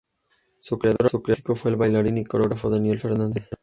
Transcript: Su creador artístico fue el bailarín y coreógrafo Daniel Fernández.